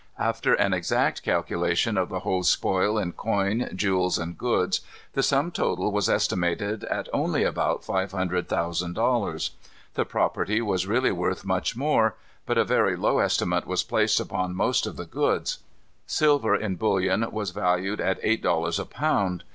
After an exact calculation of the whole spoil in coin, jewels, and goods, the sum total was estimated at only about five hundred thousand dollars. The property was really worth much more. But a very low estimate was placed upon most of the goods. Silver in bullion was valued at eight dollars a pound.